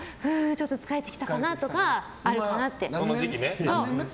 ちょっと疲れてきたかなとかあるかなって。